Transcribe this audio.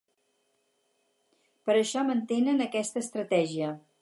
Per això mantenen aquesta estratègia.